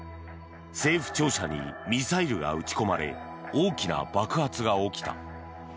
政府庁舎にミサイルが撃ち込まれ大きな爆発が起きた。